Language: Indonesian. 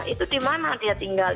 itu di mana dia tinggal